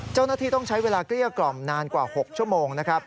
เจ้าหน้าที่ต้องใช้เวลาเกลี้ยกล่อมนานกว่า๖ชั่วโมงนะครับ